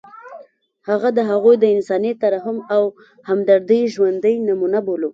هغه د هغوی د انساني ترحم او همدردۍ ژوندۍ نمونه بولو.